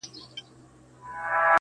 کافر دروغ پاخه رشتیا مات کړي.